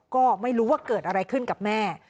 ก็ไม่รู้ว่าเกิดอะไรขึ้นกับแม่